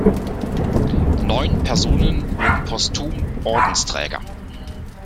Neun Personen wurden postum Ordensträger.